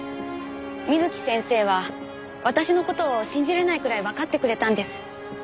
美月先生は私の事を信じられないくらいわかってくれたんです。